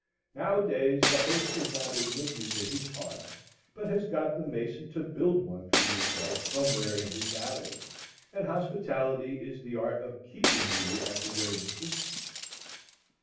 Nowadays the host does not admit you to his hearth, but has got the mason to build one for yourself somewhere in his alley, and hospitality is the art of keeping you at the greatest distance.